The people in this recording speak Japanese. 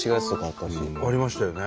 ありましたよね。